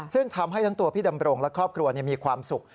ซึ่งทำให้ทั้งตัวพี่ดำรงและครอบครัวมีความสุข